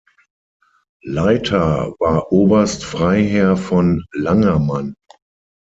Leiter war Oberst Freiherr von Langermann.